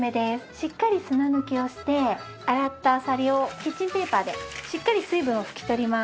しっかり砂抜きをして洗ったアサリをキッチンペーパーでしっかり水分を拭き取ります。